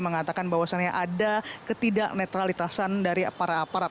mengatakan bahwasannya ada ketidak netralitasan dari para aparat